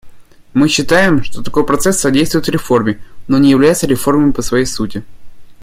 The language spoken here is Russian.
Мы считаем, что такой процесс содействует реформе, но не является реформой по своей сути.